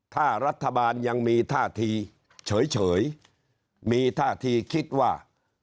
ถ้ารัฐบาลยังมีท่าทีเฉยมีท่าทีคิดว่า